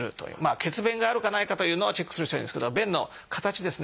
血便があるかないかというのをチェックする人はいるんですけど便の形ですね